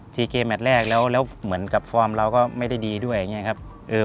ซีเกมแมทแรกแล้วเหมือนกับฟอร์มเราก็ไม่ได้ดีด้วยอย่างนี้ครับ